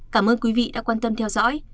cảm ơn quý vị đã quan tâm theo dõi